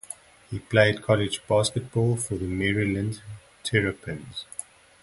He played college basketball for the Maryland Terrapins.